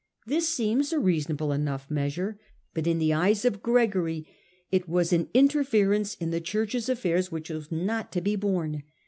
This seems a reasonable enough measure, but in the eyes of Gregory it was an interference in the Church's affairs which was not to be borne.